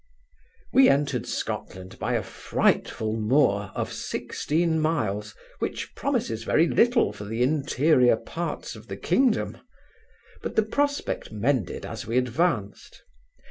We entered Scotland by a frightful moor of sixteen miles, which promises very little for the interior parts of the kingdom; but the prospect mended as we advanced.